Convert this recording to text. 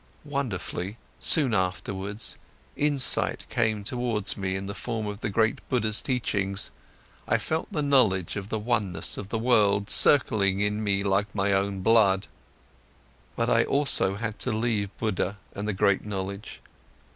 Wonderfully, soon afterwards, insight came towards me in the form of the great Buddha's teachings, I felt the knowledge of the oneness of the world circling in me like my own blood. But I also had to leave Buddha and the great knowledge.